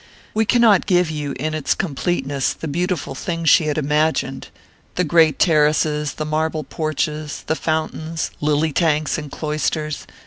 We cannot give you, in its completeness, the beautiful thing she had imagined the great terraces, the marble porches, the fountains, lily tanks, and cloisters.